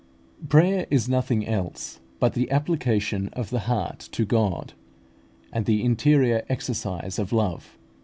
Prayer is nothing else but the application of the heart to God, and the interior exercise of love.